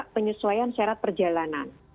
penyesuaian syarat perjalanan